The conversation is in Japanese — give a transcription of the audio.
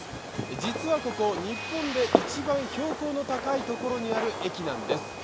実はここ、日本で一番標高の高いところにある駅なんです。